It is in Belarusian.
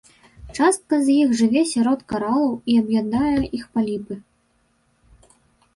Частка з іх жыве сярод каралаў і аб'ядае іх паліпы.